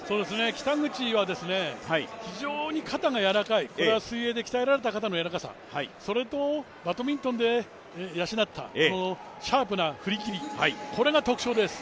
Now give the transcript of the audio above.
北口は非常に肩が柔らかい、これは水泳で鍛えられた肩の柔らかさそれとバドミントンで養ったシャープな振り切り、これが特徴です。